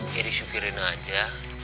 jadi syukurin aja